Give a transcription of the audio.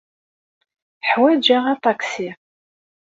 Ḥwajeɣ aṭaksi.